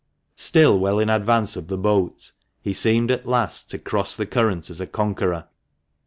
Still well in advance of the boat, he seemed at last to cross the current as a conqueror.